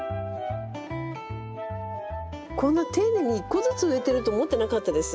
こんな丁寧に１個ずつ植えてると思ってなかったです。